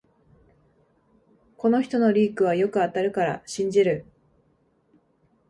この人のリークはよく当たるから信じる